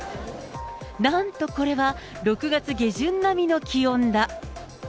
なんと、これは６月下旬並みの気温だ。